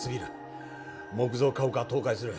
木造家屋は倒壊する。